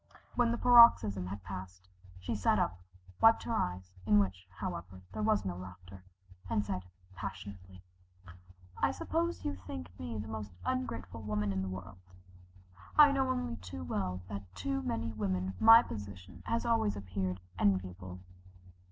When the paroxysm had passed, she sat up, wiped her eyes in which, however, there was no laughter, and said passionately: "I suppose you think me the most ungrateful woman in the world. I know only too well that to many women my position has always appeared enviable.